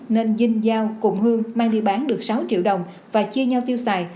nên dinh giao cùng hương mang đi bán được sáu triệu đồng và chia nhau tiêu xài